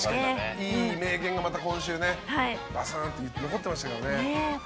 いい名言がまた今週バスンと残ってましたね。